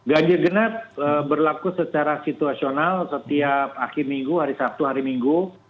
ganjil genap berlaku secara situasional setiap akhir minggu hari sabtu hari minggu